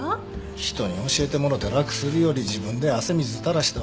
人に教えてもろて楽するより自分で汗水垂らしたほうが身になる。